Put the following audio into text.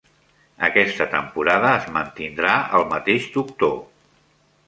Aquesta temporada es mantindrà el mateix doctor.